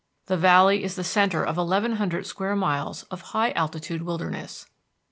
The valley is the centre of eleven hundred square miles of high altitude wilderness.